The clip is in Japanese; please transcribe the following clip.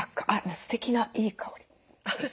すてきないい香り。